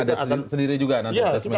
ada sendiri juga nanti